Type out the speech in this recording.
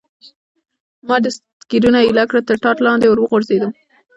ما دستګیرونه ایله کړل، تر ټاټ لاندې ور وغورځېدم.